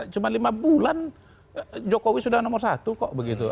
cuma lima bulan jokowi sudah nomor satu kok begitu